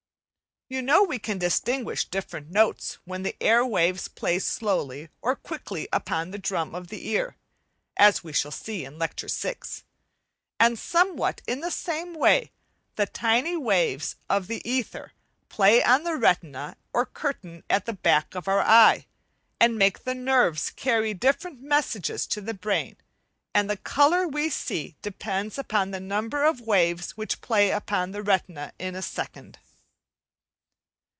You know we can distinguish different notes when the air waves play slowly or quickly upon the drum of the ear (as we shall see in Lecture VI) and somewhat in the same way the tiny waves of the ether play on the retina or curtain at the back of our eye, and make the nerves carry different messages to the brain: and the colour we see depends upon the number of waves which play upon the retina in a second.